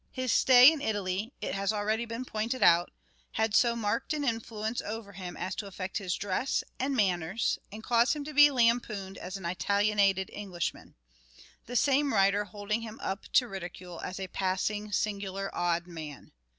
His stay in Italy, it has already been pointed out, had so marked an influence over him as to affect his dress and manners and cause him to be lampooned as an " Italionated Englishman "; the same writer holding him up to ridicule as " a passing singular odd man."